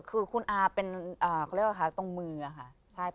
คือคุณอาเป็นตรงมือค่ะ